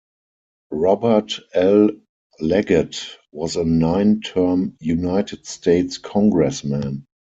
Robert L. Leggett was a nine-term United States Congressman.